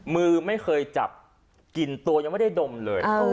มือไม่เคยจับกลิ่นตัวยังไม่ได้ดมเลย